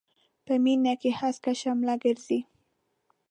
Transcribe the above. په مينې کې هسکه شمله ګرځي.